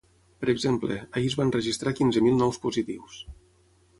Per exemple, ahir es van registrar quinze mil nous positius.